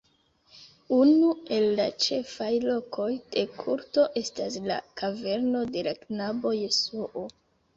Unu el la ĉefaj lokoj de kulto estas la "kaverno de la knabo Jesuo".